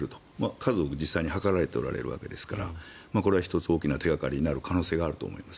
数を実際に測られているわけですからこれは１つ大きな手掛かりになる可能性があると思います。